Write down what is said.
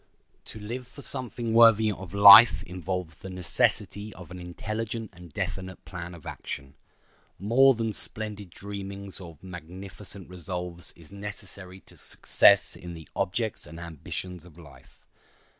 To live for something worthy of life involves the necessity of an intelligent and definite plan of action. More than splendid dreamings or magnificent resolves is necessary to success in the objects and ambitions of life.